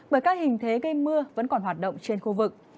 bởi các hình thế gây mưa vẫn còn hoạt động trên khu vực